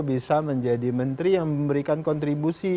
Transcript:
bisa menjadi menteri yang memberikan kontribusi